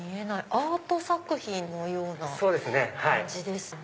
アート作品のような感じですね。